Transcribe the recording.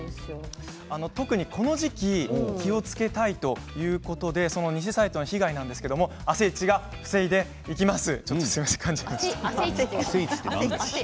特にこの時期気をつけたいということで偽サイトの被害なんですが「あさイチ」が防いでいきます。